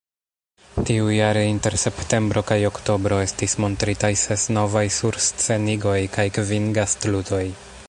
Tiujare, inter septembro kaj oktobro, estis montritaj ses novaj surscenigoj kaj kvin gastludoj.